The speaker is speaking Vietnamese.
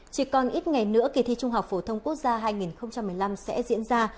chỉ còn ít ngày nữa kỳ thi trung học phổ thông quốc gia hai nghìn một mươi năm sẽ diễn ra